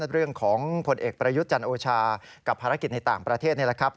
เรื่องของผลเอกประยุทธ์จันโอชากับภารกิจในต่างประเทศนี่แหละครับ